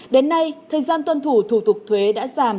đến nay thời gian tuân thủ thủ tục thuế đã giảm